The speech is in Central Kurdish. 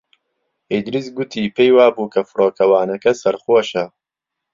ئیدریس گوتی پێی وا بوو کە فڕۆکەوانەکە سەرخۆشە.